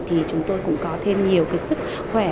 thì chúng tôi cũng có thêm nhiều cái sức khỏe